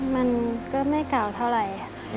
มันก็ไม่เก่าเท่าไหร่